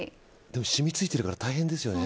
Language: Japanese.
でも染みついているから大変ですよね。